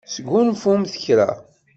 Sgunfumt kra.